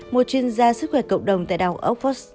một chuyên gia sức khỏe cộng đồng tại đảo okford